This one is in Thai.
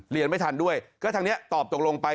เรียนไม่ทันด้วยก็ทางนี้ตอบตกลงไป